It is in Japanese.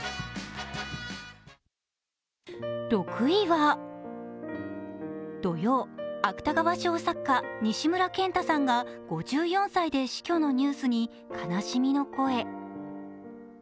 ６位は、土曜、芥川賞作家、西村賢太さんが５４歳で死去のニュースに悲しみの声。